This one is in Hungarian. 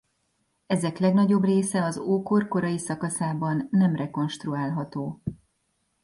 Ezek legnagyobb része az ókor korai szakaszában nem rekonstruálható.